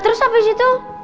terus abis itu